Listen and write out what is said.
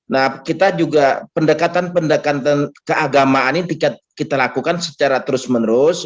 nah kita juga pendekatan pendekatan keagamaan ini kita lakukan secara terus menerus